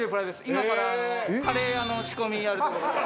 今からカレー屋の仕込みやるところ。